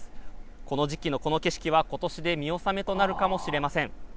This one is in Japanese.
この時期のこの景色はことしで見納めとなるかもしれません。